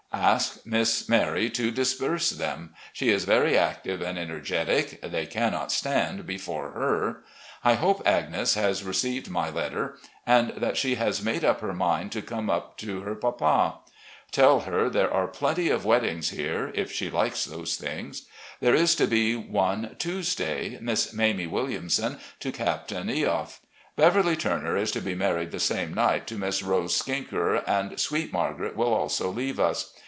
Ask Miss Mary to disperse them. She is very active and energetic ; they cannot stand before her. ... I hope Agnes has received my letter, and that she has made up her mind to come up to her papa. Tell her there are plenty of weddings here, if she likes those things. There is to be one Tuesday — Miss Mamie Williamson to Captain Eoff. Beverley Turner is to be married the same night, to Miss Rose Sicker, and sweet Margaret will also leave us.